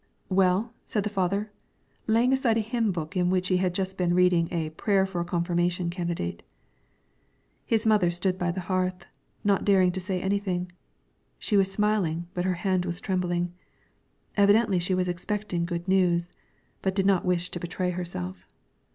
"Well?" said the father, laying aside a hymn book, in which he had just been reading a "Prayer for a Confirmation Candidate." His mother stood by the hearth, not daring to say anything; she was smiling, but her hand was trembling. Evidently she was expecting good news, but did not wish to betray herself.